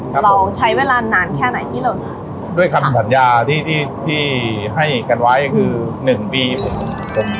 เราใช้เวลานานแค่ไหนที่เราด้วยคำสัญญาที่ที่ให้กันไว้คือหนึ่งปีผม